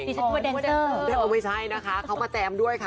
ดิสเตอร์เดนเซอร์ไม่ใช่นะคะเขามาแจมด้วยค่ะ